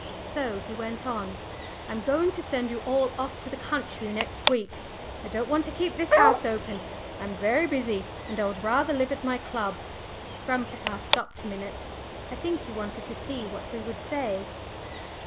So he went on: "I'm going to send you all off to the country next week; I don't want to keep this house open. I am very busy, and I would rather live at my club." Grandpapa stopped a minute. I think he wanted to see what we would say.